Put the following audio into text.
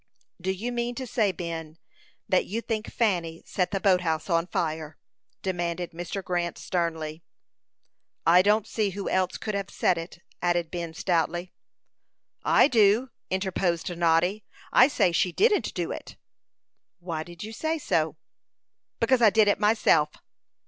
"Do you mean to say, Ben, that you think Fanny set the boat house on fire?" demanded Mr. Grant, sternly. "I don't see who else could have set it," added Ben, stoutly. "I do," interposed Noddy. "I say she didn't do it." "Why do you say so?" "Because I did it myself."